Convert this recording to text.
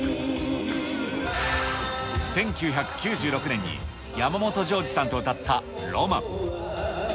１９９６年に山本譲二さんと歌った浪漫。